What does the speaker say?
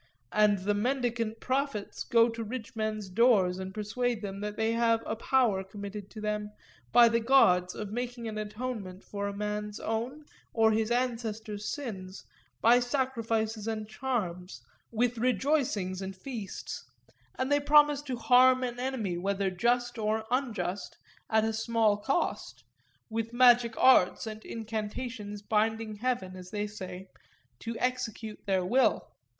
And mendicant prophets go to rich men's doors and persuade them that they have a power committed to them by the gods of making an atonement for a man's own or his ancestor's sins by sacrifices or charms, with rejoicings and feasts; and they promise to harm an enemy, whether just or unjust, at a small cost; with magic arts and incantations binding heaven, as they say, to execute their will.